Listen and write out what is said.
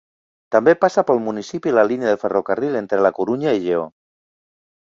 També passa pel municipi la línia de ferrocarril entre la Corunya i Lleó.